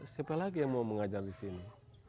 siapa lagi yang mau mengajar disini